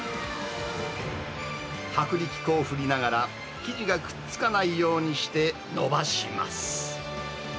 薄力粉を振りながら、生地がくっつかないようにして延ばします。